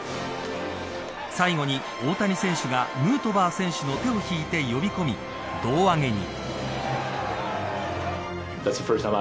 最後に大谷選手がヌートバー選手の腕を引いて呼び込み胴上げに。